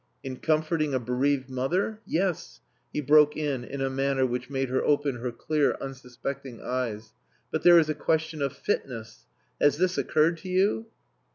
"In comforting a bereaved mother? Yes!" he broke in in a manner which made her open her clear unsuspecting eyes. "But there is a question of fitness. Has this occurred to you?"